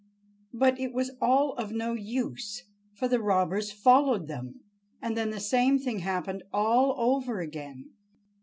But it was all of no use, for the robbers followed them, and then the same thing happened all over again.